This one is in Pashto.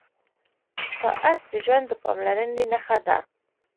• ساعت د ژوند د پاملرنې نښه ده.